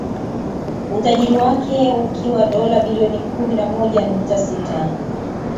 Utajiri wake ukiwa dola bilioni kumi na moja nukta sita